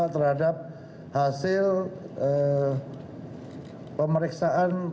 terhadap hasil pemeriksaan